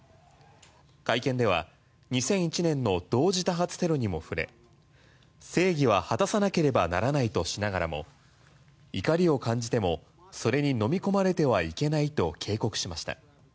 会見では２００１年の同時多発テロにも触れ正義は果たさなければならないとしながらも怒りを感じてもそれにのみ込まれてはいけないと警告しました。